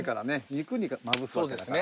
肉にまぶすわけだから。